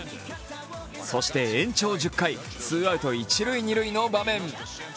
そして延長１０回ツーアウト一塁・二塁の場面。